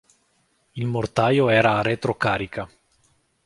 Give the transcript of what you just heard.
Il mortaio era a retrocarica.